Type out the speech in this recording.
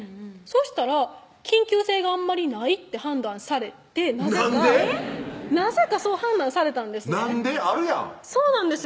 そしたら緊急性があんまりないって判断されてなんで⁉なぜかそう判断されたんですなんで？